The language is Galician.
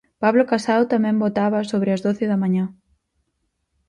Pablo Casado tamén votaba sobre as doce da mañá.